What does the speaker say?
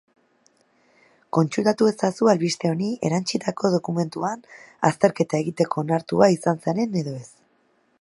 Kontsultatu ezazu albiste honi erantsitako dokumentuan azterketa egiteko onartua izan zaren edo ez.